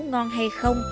ngon hay không